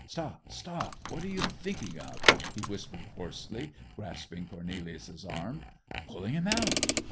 'Stop, stop, what are you thinking of?' he whispered hoarsely, grasping Cornelius's arm. 'Pulling him out!